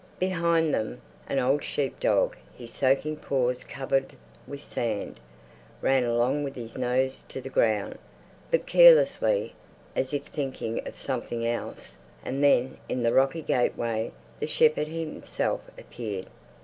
Behind them an old sheep dog, his soaking paws covered with sand, ran along with his nose to the ground, but carelessly, as if thinking of something else. And then in the rocky gateway the shepherd himself appeared.